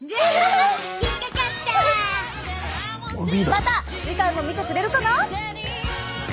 また次回も見てくれるかな？